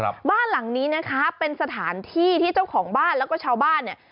บ้านหลังนี้นะคะเป็นสถานที่ที่เจ้าของบ้านแล้วก็ชาวบ้านเนี่ย